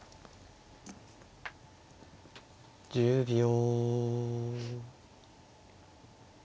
１０秒。